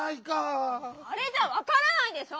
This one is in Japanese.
「あれ」じゃわからないでしょ！